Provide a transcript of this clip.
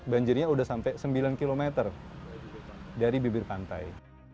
dua ribu tiga puluh lima banjirnya udah sampai sembilan km dari bibir pantai